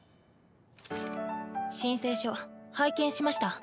申請書拝見しました。